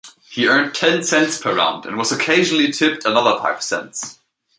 He earned ten cents per round and was occasionally tipped another five cents.